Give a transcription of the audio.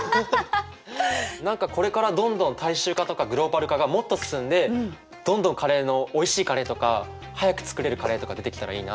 何かこれからどんどん大衆化とかグローバル化がもっと進んでどんどんカレーのおいしいカレーとか早く作れるカレーとか出てきたらいいな。